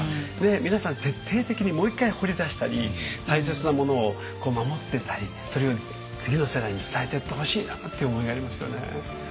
皆さん徹底的にもう一回掘り出したり大切なものを守ってったりそれを次の世代に伝えてってほしいなっていう思いがありますよね。